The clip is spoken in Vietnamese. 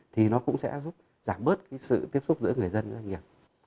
thì nó cũng sẽ giúp giảm bớt cái sự tiếp xúc giữa người dân doanh nghiệp